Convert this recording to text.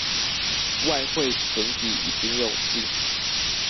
外匯存底已經用盡